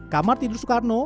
kamar tidur soekarno